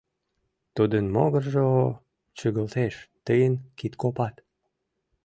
— Тудын могыржо чыгылтеш, тыйын — кидкопат.